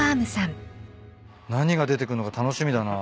何が出てくるのか楽しみだな。